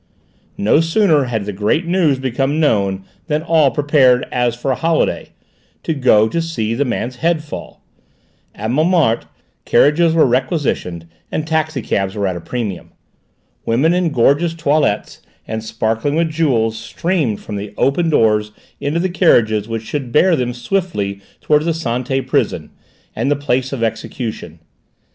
No sooner had the great news become known than all prepared, as for a holiday, to go to see the man's head fall. At Montmartre carriages were requisitioned and taxi cabs were at a premium. Women in gorgeous toilets and sparkling with jewels streamed from the open doors into the carriages which should bear them swiftly towards the Santé prison, and the place of execution.